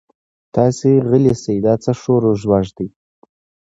تاسې غلي شئ دا څه شور او ځوږ دی.